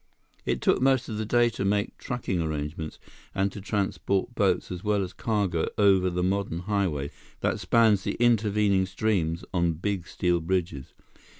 It took most of the day to make trucking arrangements, and to transport boats as well as cargo over the modern highway that spans the intervening streams on big steel bridges.